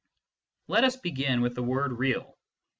Let us begin with the word " real."